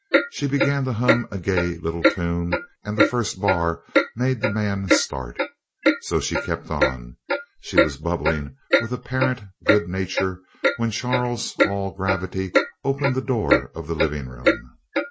She began to hum a gay little tune, and the first bar made the man start. So she kept on. She was bubbling with apparent good nature when Charles, all gravity, opened the door of the living room.